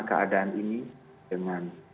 keadaan ini dengan